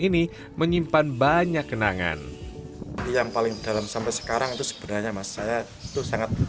ini menyimpan banyak genangan yang paling dalam sampai sekarang itu sebenarnya mas saya itu sangat